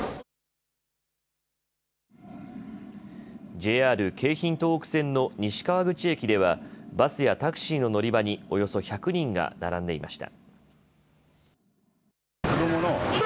ＪＲ京浜東北線の西川口駅ではバスやタクシーの乗り場におよそ１００人が並んでいました。